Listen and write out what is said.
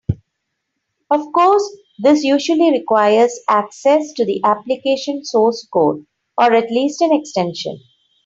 Of course, this usually requires access to the application source code (or at least an extension).